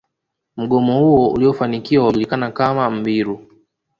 Mgomo huo uliofanikiwa ulijulikana kama mbiru